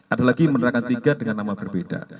ada lagi menerangkan tiga dengan nama berbeda